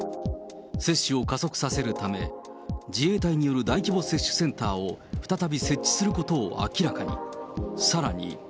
接種を加速させるため、自衛隊による大規模接種センターを再び設置することを明らかに。